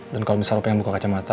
dan kalau misal lo pengen buka kacamata